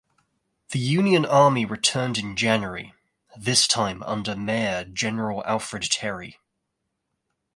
The Union Army returned in January, this time under Major General Alfred Terry.